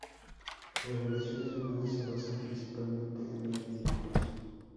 Las relaciones humanas se basan principalmente en los vínculos.